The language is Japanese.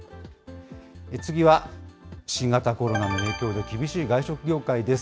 次は、新型コロナの影響で厳しい外食業界です。